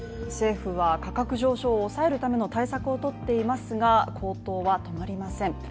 政府は価格上昇を抑えるための対策を取っていますが、高騰は止まりません。